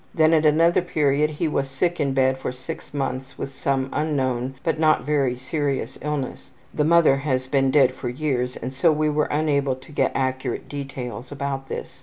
Then at another period he was sick in bed for 6 months with some unknown, but not very serious illness. The mother has been dead for years and so we were unable to get accurate details about this.